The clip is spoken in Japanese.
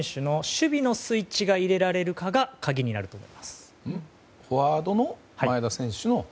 守備のスイッチが入れられるかが鍵になると思います。